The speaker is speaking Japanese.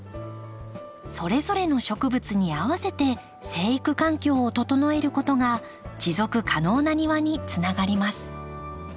それぞれの植物に合わせて生育環境を整えることが持続可能な庭につながります。